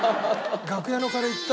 楽屋のカレーいった？